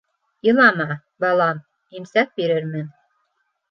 Илама, балам, имсәк бирермен.